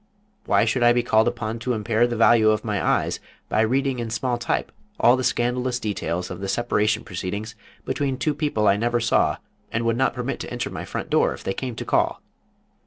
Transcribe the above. Why should I be called upon to impair the value of my eyes by reading in small type all the scandalous details of the separation proceedings between two people I never saw and would not permit to enter my front door if they came to call?